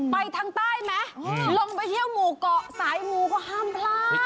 ไปทางใต้ไหมลงไปเที่ยวหมู่เกาะสายมูก็ห้ามพลาด